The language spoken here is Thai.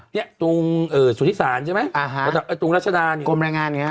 เนี้ยตรงเอ่อสุธิศาลใช่ไหมอ่าฮะตรงราชดารณ์กรมแรงงานเนี้ย